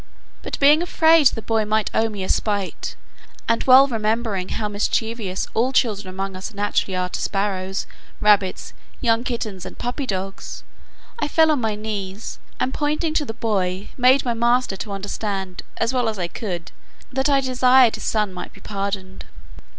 But being afraid the boy might owe me a spite, and well remembering how mischievous all children among us naturally are to sparrows, rabbits, young kittens, and puppy dogs, I fell on my knees, and pointing to the boy, made my master to understand, as well as I could, that I desired his son might be pardoned.